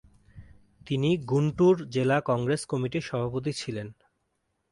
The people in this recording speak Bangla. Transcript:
তিনি গুন্টুর জেলা কংগ্রেস কমিটির সভাপতি ছিলেন।